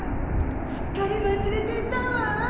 すっかりわすれていたわ。